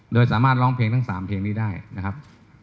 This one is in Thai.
โดยสามารถร้องเพลงทั้ง๓เพลงนี้ได้นะครับ